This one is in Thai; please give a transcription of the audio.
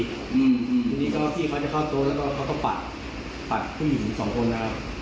ทีนี้ก็พี่เขาจะเข้าโต๊ะแล้วก็เขาก็ปัดผู้หญิง๒คนนะครับ